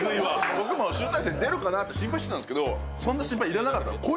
僕も集大成、出るかなと思ってたんですがそんな心配いらなかったです